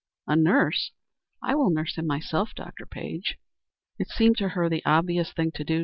"A nurse? I will nurse him myself, Dr. Page." It seemed to her the obvious thing to do.